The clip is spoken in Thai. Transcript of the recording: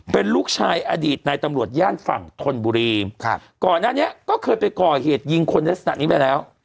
เป็นลูกชายอดีตในตำรวจย่านฝั่งธนบุรีครับก่อนหน้านี้ก็เคยไปก่อเหตุยิงคนในลักษณะนี้มาแล้ว